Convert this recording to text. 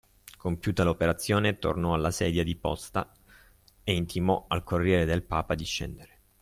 Compiuta l’operazione, tornò alla sedia di posta e intimò al Corriere del Papa di scendere.